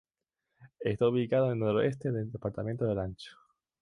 Está ubicado el noroeste del departamento de Olancho.